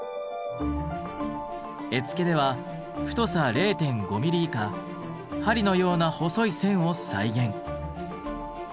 絵付けでは太さ０．５ミリ以下針のような細い線を再現。